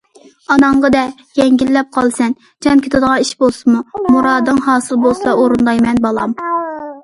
ئاناڭغا دە، يەڭگىللەپ قالىسەن، جان كېتىدىغان ئىش بولسىمۇ، مۇرادىڭ ھاسىل بولسىلا ئورۇندايمەن بالام!